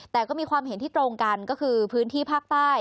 แต่ก็มีความเห็นที่ตรงกันก็คือพื้นที่ภาคใต้